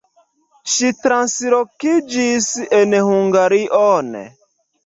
Ŝi translokiĝis en Hungarion.